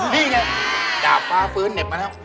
นี่เนี่ยดาปฟ้าฟื้นเหน็บมาแล้ว